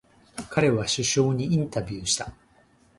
彼は首相にインタビューした。